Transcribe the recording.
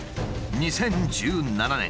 ２０１７年